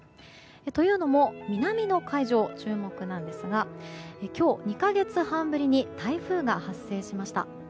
というのも南の海上に注目ですが今日２か月半ぶりに台風が発生しました。